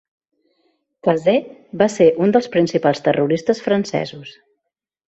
Caze va ser un dels principals terroristes francesos.